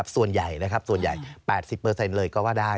ส่วนใหญ่๘๐เลยก็ว่าได้